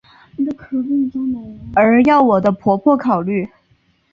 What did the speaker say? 而要我的婆婆考虑！